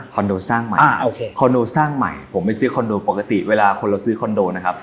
โดสร้างใหม่อ่าโอเคคอนโดสร้างใหม่ผมไปซื้อคอนโดปกติเวลาคนเราซื้อคอนโดนะครับ